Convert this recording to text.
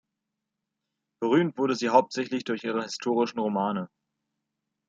Berühmt wurde sie hauptsächlich durch ihre historischen Romane.